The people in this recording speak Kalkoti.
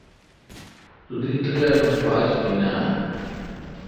تو دی تریال ام پاچ این آں?